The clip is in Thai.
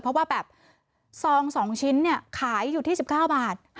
เพราะว่าแบบซอง๒ชิ้นเนี่ยขายอยู่ที่๑๙บาท